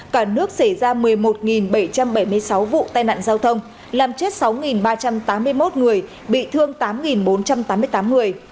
cả nước xảy ra một mươi một bảy trăm bảy mươi sáu vụ tai nạn giao thông làm chết sáu ba trăm tám mươi một người bị thương tám bốn trăm tám mươi tám người